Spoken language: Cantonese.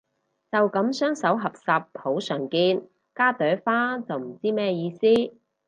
就噉雙手合十好常見，加朵花就唔知咩意思